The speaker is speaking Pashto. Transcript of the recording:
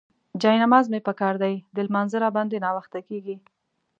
جاینماز مې پکار دی، د لمانځه راباندې ناوخته کيږي.